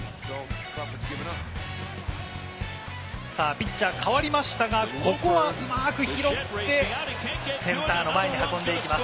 ピッチャー代わりましたが、ここはうまく拾って、センターの前に運んでいきます。